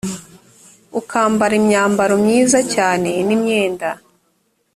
ukambara imyambaro myiza cyane n imyenda